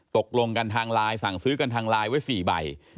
ตกลงกันทางไลน์สั่งซื้อกันทางไลน์ไว้๔ใบ